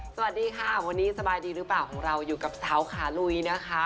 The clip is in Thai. สวัสดีค่ะวันนี้สบายดีหรือเปล่าของเราอยู่กับเสาขาลุยนะคะ